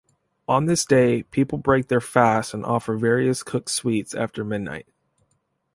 On this day, people break their fast and offer various cooked sweets after midnight.